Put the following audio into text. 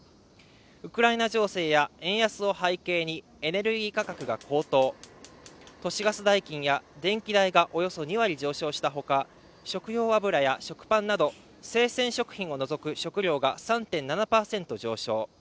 ウクライナ情勢や円安を背景にエネルギー価格が高騰都市ガス代金や電気代がおよそ２割上昇したほか食用油や食パンなど生鮮食品を除く食料が３．７％上昇